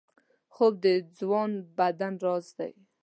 خوب د ځوان بدن راز دی